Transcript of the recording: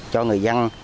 cho người dân